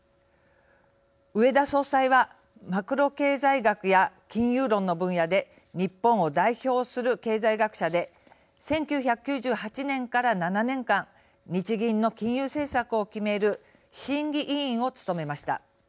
植田総裁はマクロ経済学や金融論の分野で日本を代表する経済学者で１９９８年から７年間日銀の金融政策を決める審議委員を務めました。